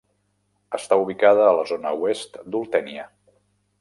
Està ubicada a la zona oest d'Oltènia.